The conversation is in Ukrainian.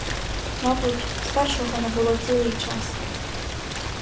Мабуть, старшого не було цілий час.